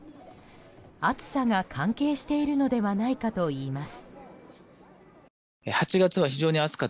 暑さが関係しているのではないかといいます。